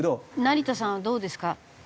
成田さんはどうですか？